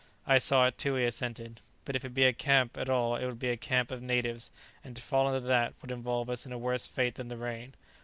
"I saw it too," he assented: "but if it be a camp at all it would be a camp of natives; and to fall into that would involve us in a worse fate than the rain."